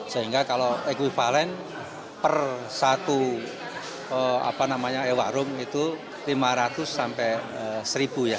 sehingga kalau ekvivalen per satu warung itu lima ratus sampai seribu ya